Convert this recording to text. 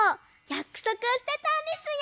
やくそくをしてたんですよ。